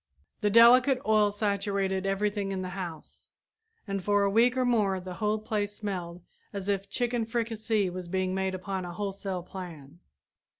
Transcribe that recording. The delicate oil saturated everything in the house, and for a week or more the whole place smelled as if chicken fricassee was being made upon a wholesale plan.